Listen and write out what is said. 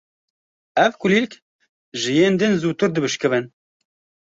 Ev kulîlk ji yên din zûtir dibişkivin.